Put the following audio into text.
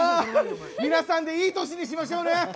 皆さんでいい年にしましょうね！